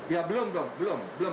ya belum dong belum belum